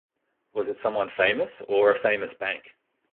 Was it someone famous or a famous bank?